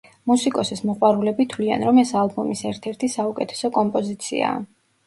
მუსიკოსის მოყვარულები თვლიან, რომ ეს ალბომის ერთ-ერთი საუკეთესო კომპოზიციაა.